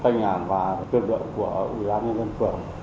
tên ngàn và tuyên đoạn của ubnd phường